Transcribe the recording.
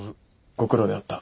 ご苦労であった。